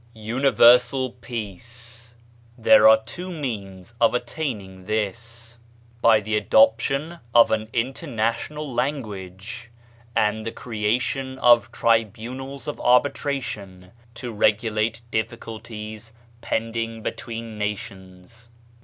UNIVERSAL PEACE There are two means of attaining this : by the adoption of an international language, and the creation of tribunals of arbitration to regulate difficulties pending between nations.